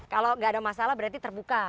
kalau nggak ada masalah berarti terbuka